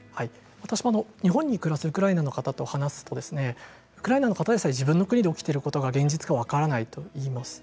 私は日本に暮らすウクライナの人と話すとウクライナの方でさえ自分に起きていることが現実か分からないといいます。